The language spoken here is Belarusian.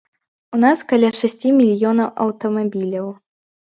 У нас каля шасці мільёнаў аўтамабіляў.